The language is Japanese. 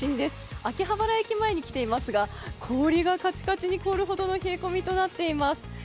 秋葉原駅前に来てていますが、氷がカチカチに凍るほどの冷え込みとなっています。